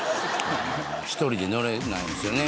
１人で乗れないんですよね。